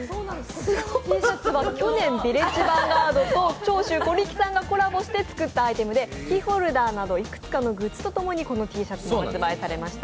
去年ヴィレッジヴァンガードと長州小力さんがコラボして作ったアイテムでキーホルダーなどいくつかのグッズともにこのＴシャツが発売されました。